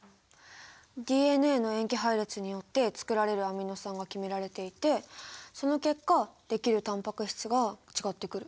ＤＮＡの塩基配列によってつくられるアミノ酸が決められていてその結果できるタンパク質が違ってくる。